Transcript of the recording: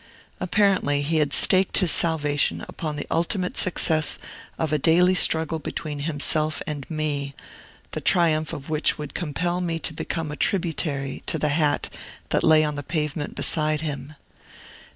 Apparently, he had staked his salvation upon the ultimate success of a daily struggle between himself and me, the triumph of which would compel me to become a tributary to the hat that lay on the pavement beside him.